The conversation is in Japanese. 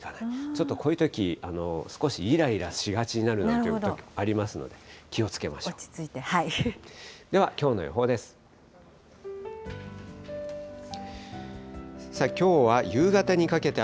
ちょっとこういうとき、少しいらいらしがちになるなんてこともありますので、気をつけま落ち着いて。